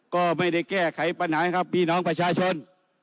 ก็ไม่ได้แก้ไขปัญหาครับพี่น้องประชาชน